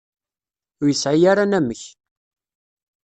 Ur yesɛi ara anamek.